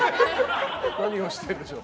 何をしてるんでしょう。